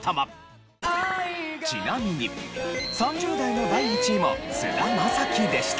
ちなみに３０代の第１位も菅田将暉でした。